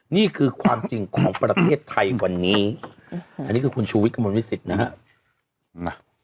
นี่คือความจริงของประเทศไทยวันนี้อันนี้คือคุณชูวิทย์กระมวลวิสิตนะฮะ